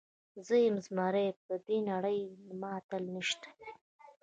زۀ يم زمری پر دې نړۍ له ما اتل نيشته